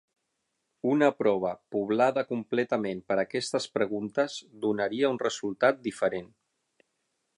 Una prova poblada completament per aquestes preguntes donaria un resultat diferent.